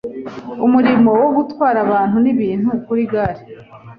umurimo wo gutwara abantu n’ibintu ku igare